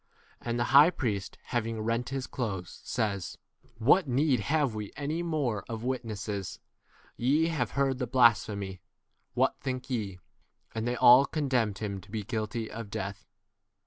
And the high priest, having rent his clothes, says, What need have we any 64 more of witnesses ? Te have heard the blasphemy : what think ye ? And they all condemned him 65 to be guilty of death.